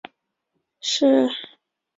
地质遗址全球网络。